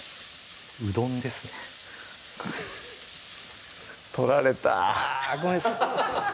うどんですね取られたあごめんなさい